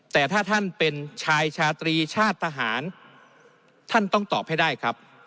แต่ถ้าท่านเป็นชายชาตรีชาติทหารท่านต้องตอบให้ได้ครับ